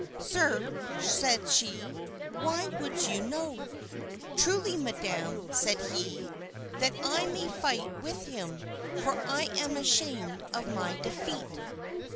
"Sir," said she, "why would you know?" "Truly, madam," said he, "that I may fight with him, for I am ashamed of my defeat."